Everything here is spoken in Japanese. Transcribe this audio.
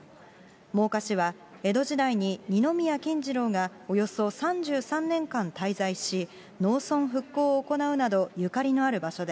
真岡市は江戸時代に二宮金次郎がおよそ３３年間滞在し、農村復興を行うなど、ゆかりのある場所で、